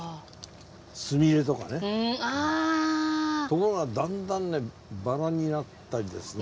ところがだんだんねバラになったりですね